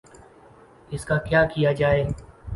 اس کا کیا کیا جائے؟